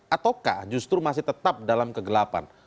ataukah justru masih tetap dalam kegelapan